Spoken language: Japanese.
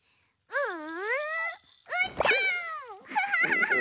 うん。